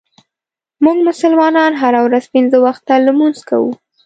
مونږ مسلمانان هره ورځ پنځه وخته لمونځ کوو.